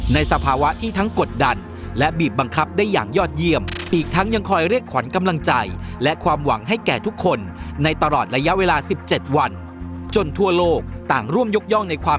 ในสภาวะที่ทั้งกดดันและบีบบังคับได้อย่างยอดเยี่ยม